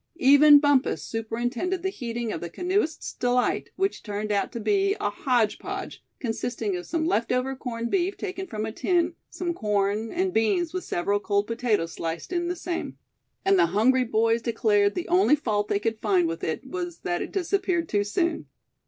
Even Bumpus superintended the heating of the "canoeist's delight," which turned out to be a hodge podge, consisting of some left over corned beef taken from a tin, some corn, and beans with several cold potatoes sliced in the same. And the hungry boys declared the only fault they could find with it was that it disappeared too soon.